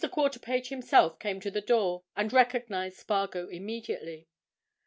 Quarterpage himself came to the door, and recognized Spargo immediately.